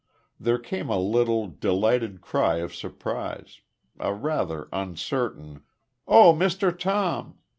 There came a little, delighted cry of surprise; a rather uncertain, "Oh, Mr. Tom!"